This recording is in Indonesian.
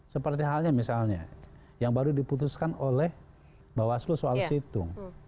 seperti halnya misalnya yang baru diputuskan oleh bawaslu soal situng